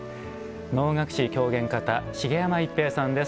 能楽師狂言方、茂山逸平さんです。